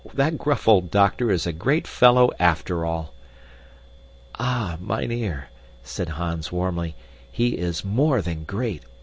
That gruff old doctor is a great fellow after all." "Ah, mynheer," said Hans warmly, "he is more than great.